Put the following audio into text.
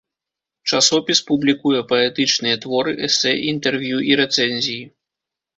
Часопіс публікуе паэтычныя творы, эсэ, інтэрв'ю і рэцэнзіі.